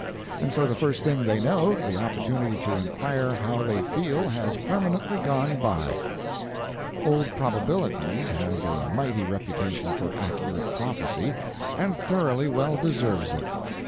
And so the first thing they know the opportunity to inquire how they feel has permanently gone by. Old Probabilities has a mighty reputation for accurate prophecy, and thoroughly well deserves it.